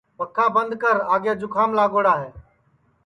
پکھا بند کر آگے جُکھام لاگوڑا ہے